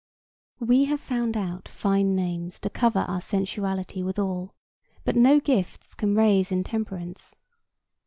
We have found out fine names to cover our sensuality withal, but no gifts can raise intemperance.